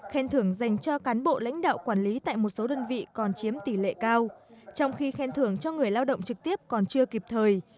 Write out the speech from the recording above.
khen thưởng dành cho cán bộ lãnh đạo quản lý tại một số đơn vị còn chiếm tỷ lệ cao trong khi khen thưởng cho người lao động trực tiếp còn chưa kịp thời